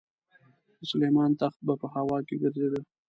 د سلیمان تخت به په هوا کې ګرځېده.